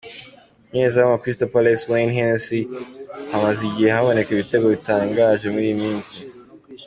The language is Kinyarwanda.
Umunyezamu wa Crystal Palace, Wayne Hennessey: Hamaze igihe haboneka ibitego bitangaje muri iyi minsi.